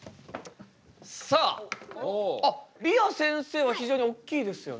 さああっりあせんせいは非常におっきいですよね。